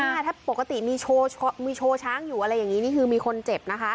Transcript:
ถ้าปกติมีโชว์มีโชว์ช้างอยู่อะไรอย่างนี้นี่คือมีคนเจ็บนะคะ